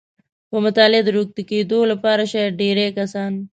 په مطالعې د روږدي کېدو لپاره شاید ډېری کسان